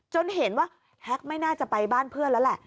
เห็นว่าแฮกไม่น่าจะไปบ้านเพื่อนแล้วแหละ